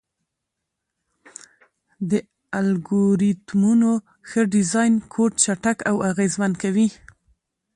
د الګوریتمونو ښه ډیزاین کوډ چټک او اغېزمن کوي.